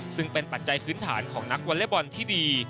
ซึ่งเป็นปัจจัยพื้นฐานของนักวอเล็กบอลที่ดี